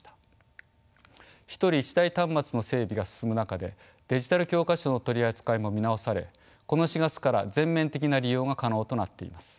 一人一台端末の整備が進む中でデジタル教科書の取り扱いも見直されこの４月から全面的な利用が可能となっています。